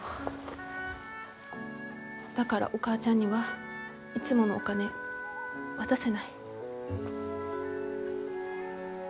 だからお母ちゃんにはいつものお金渡せない。